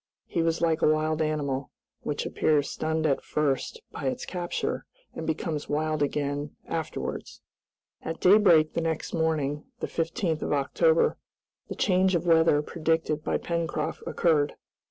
He was like a wild animal, which appears stunned at first by its capture, and becomes wild again afterwards. At daybreak the next morning, the 15th of October, the change of weather predicted by Pencroft occurred.